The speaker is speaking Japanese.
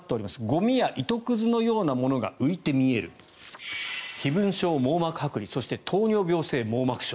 ゴミや糸くずのようなものが浮いて見える飛蚊症、網膜はく離そして糖尿病性網膜症。